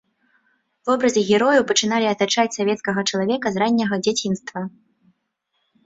Вобразы герояў пачыналі атачаць савецкага чалавека з ранняга дзяцінства.